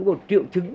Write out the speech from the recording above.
một triệu chứng